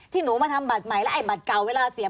หนูมาทำบัตรใหม่แล้วไอ้บัตรเก่าเวลาเสีย